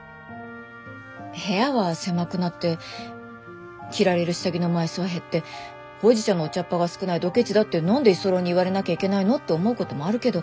部屋は狭くなって着られる下着の枚数は減ってほうじ茶のお茶っ葉が少ないドケチだって何で居候に言われなきゃいけないのって思うこともあるけど